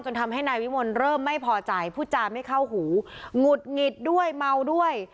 ทำให้นายวิมลเริ่มไม่พอใจพูดจาไม่เข้าหูหงุดหงิดด้วยเมาด้วย